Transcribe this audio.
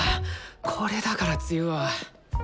これだから梅雨は。